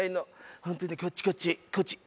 ほんとにこっちこっちこっち。